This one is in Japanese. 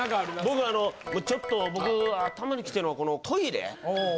僕あのちょっと僕頭にきてるのがこのトイレ。